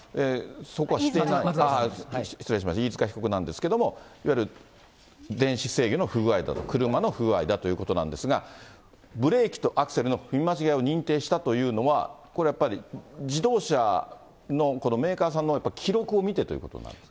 これ、飯塚被告なんですけれども、電子制御の不具合だと、車の不具合だということなんですけれども、ブレーキとアクセルの踏み間違いを認定したというのは、これはやっぱり、自動車のメーカーさんの記録を見てということになりますか？